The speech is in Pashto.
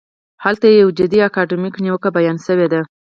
هلته یوه جدي اکاډمیکه نیوکه بیان شوې ده.